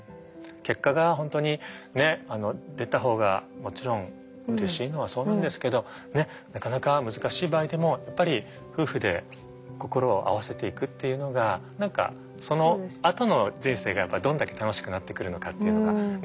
結果が本当に出たほうがもちろんうれしいのはそうなんですけどなかなか難しい場合でもやっぱり夫婦で心を合わせていくっていうのが何かそのあとの人生がどんだけ楽しくなってくるのかっていうのがね。